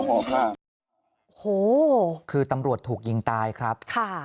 โอ้โหคือตำรวจถูกยิงตายครับค่ะ